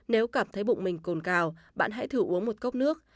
nếu cảm thấy bụng mình cồn cào bạn hãy thử uống một cốc nước